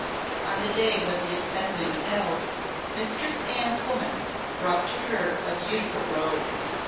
On the day on which the assembly was held, Mistress Anne's woman brought to her a beautiful robe.